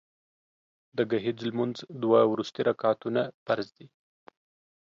د ګهیځ لمونځ وروستي دوه رکعتونه فرض دي